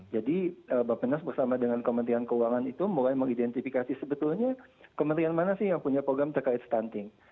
jadi bapak penas bersama dengan kementerian keuangan itu mulai mengidentifikasi sebetulnya kementerian mana sih yang punya program terkait stunting